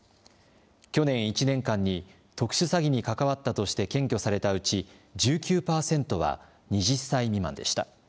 去年１年間に特殊詐欺に関わったとして検挙されたうち、１９％は２０歳未満でした。